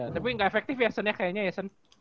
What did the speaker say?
tapi gak efektif ya sen ya kayaknya ya sen